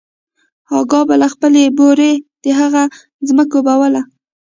اکا به له خپلې بوړۍ د هغه ځمکه اوبوله.